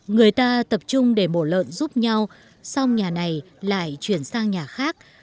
người ta tập trung để mổ lợn giúp nhau song nhà này lại chuyển sang nhà khác